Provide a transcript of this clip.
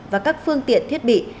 và các phương tiện thiết bị